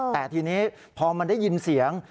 แต่ทีนี้พอมันได้ยินเสียง